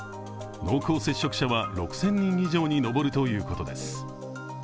濃厚接触者は６０００人以上に上るということです。